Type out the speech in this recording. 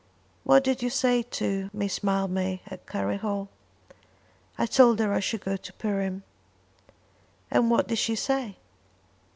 "What did you say to Miss Mildmay at Curry Hall?" "I told her I should go to Perim." "And what did she say?"